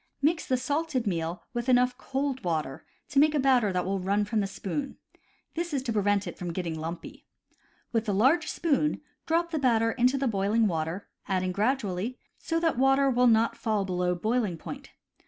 Mix the salted meal with enough cold water to make a batter that will run from the spoon; this is to prevent it from getting lumpy. With a large spoon drop the batter into the boiling water, adding gradually, so that water will not fall below boiling point.